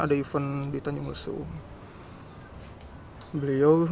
kalau saya alumni nusa dulu